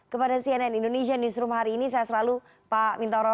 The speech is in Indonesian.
kepada cnn indonesia newsroom hari ini saya selalu pak mintoro